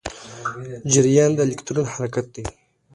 جریان د الکترون حرکت دی.